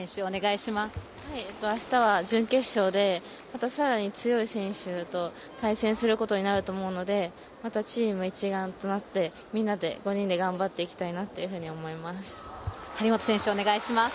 明日は準決勝で、また更に強い選手と対戦することになると思うのでまたチーム一丸となってみんなで５人で頑張っていきたいなと思います。